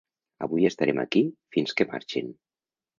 Avui estarem aquí fins que marxin.